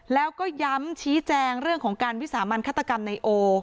แล้วก็ย้ำชี้แจงเรื่องของการวิสามันฆาตกรรมในโอ